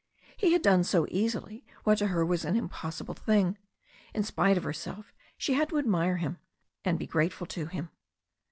He had done so easily what to her was an impossible thing. In spite of herself she had to admire him and be grateful to him.